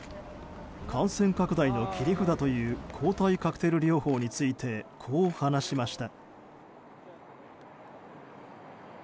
感染拡大の切り札という抗体カクテル療法についてこう話しました。